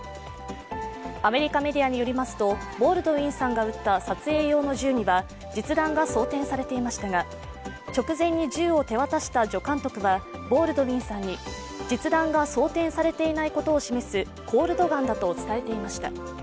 アメリカメディアによりますとボールドウィンさんが撃った撮影用の銃には実弾が装てんされていましたが直前に銃を手渡した助監督は、ボールドウィンさんに実弾が装てんされていないことを示すコールドガンだと伝えていました。